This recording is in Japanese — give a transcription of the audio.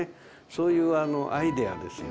そういうアイデアですよ。